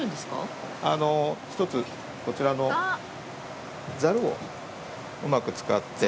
ひとつこちらのザルをうまく使って。